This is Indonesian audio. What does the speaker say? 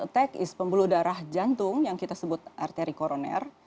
heart attack is pembuluh darah jantung yang kita sebut arteri koroner